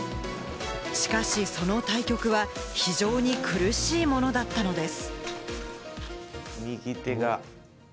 しかし、その対局は非常に苦しいものだったのです。